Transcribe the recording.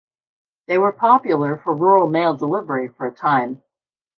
They were popular for rural mail delivery for a time.